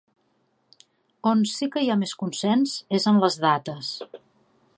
On sí que hi ha més consens és en les dates.